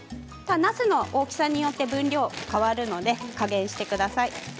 なすの大きさによって分量が変わりますので加減してください。